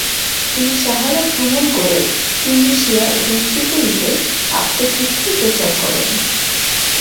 তিনি সাহারা ভ্রমণ করে তিউনিসিয়া এবং ত্রিপলিতে আত্মশুদ্ধি প্রচার করেন।